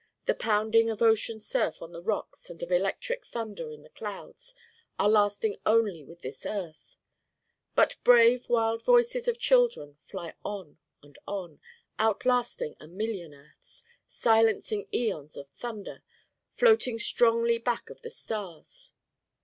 The pounding of ocean surf on the rocks and of electric thunder in the clouds are lasting only with this earth. But brave wild Voices of children fly on and on, outlasting a million earths, silencing aeons of thunder, floating strongly back of the stars.